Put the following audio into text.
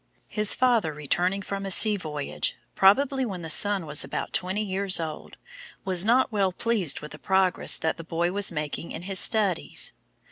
His father returning from a sea voyage, probably when the son was about twenty years old, was not well pleased with the progress that the boy was making in his studies.